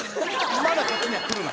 「まだこっちには来るな」。